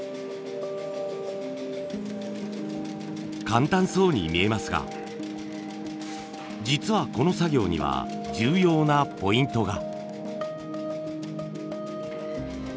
簡単そうに見えますが実はこの作業には重要なポイントが。